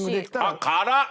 あっ辛っ！